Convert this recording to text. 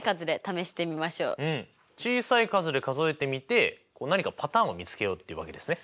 小さい数で数えてみて何かパターンを見つけようっていうわけですね。